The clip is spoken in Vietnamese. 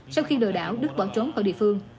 sau khi lừa đảo đức bỏ trốn khỏi địa phương